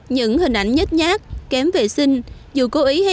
những hình ảnh nhét nhát kém vệ sinh